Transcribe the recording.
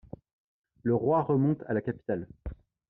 Le roi remonte à la capitale.